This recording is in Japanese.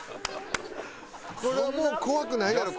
これはもう怖くないやろ。